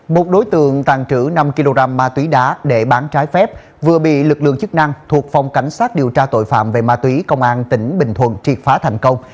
một đối tượng tàn trữ năm kg ma túy đá để bán trái phép vừa bị lực lượng chức năng thuộc phòng cảnh sát điều tra tội phạm về ma túy công an tỉnh bình thuận triệt phá thành công